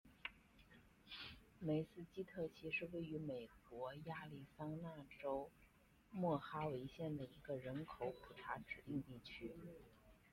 梅斯基特溪是位于美国亚利桑那州莫哈维县的一个人口普查指定地区。